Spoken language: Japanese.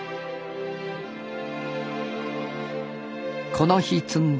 この日摘んだ